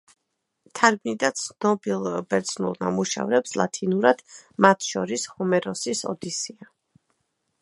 თარგმნიდა ცნობილ ბერძნულ ნამუშევრებს ლათინურად, მათ შორის ჰომეროსის ოდისეა.